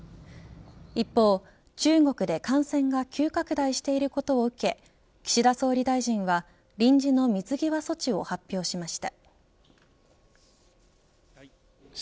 一方、中国で感染が急拡大していることを受け岸田総理大臣は臨時の水際措置を発表しました。